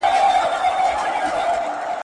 پر هغه لاره مي یون دی نازوه مي ..